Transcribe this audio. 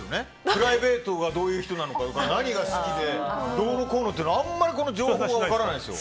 プライベートがどういう人なのか何が好きでどうのこうのあまり情報が分からないんです。